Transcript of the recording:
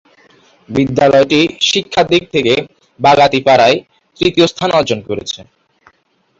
বিদ্যালয়টি শিক্ষা দিক থেকে বাগাতিপাড়ায় তৃতীয় স্থান অর্জন করেছে